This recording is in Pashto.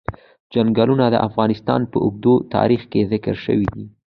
چنګلونه د افغانستان په اوږده تاریخ کې ذکر شوی دی.